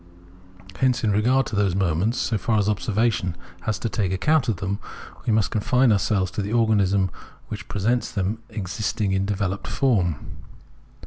Hence in regard to those moments, so far as observation has to take account of them, we must confine ourselves to the organism which presents them existing in developed form.